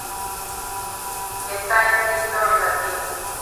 Está escrito en latín.